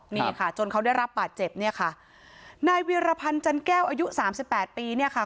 นี่ค่ะจนเขาได้รับบาดเจ็บเนี่ยค่ะนายเวียรพันธ์จันแก้วอายุสามสิบแปดปีเนี่ยค่ะ